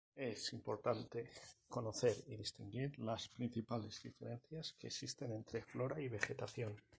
Es importante conocer y distinguir las principales diferencias que existen entre flora y vegetación.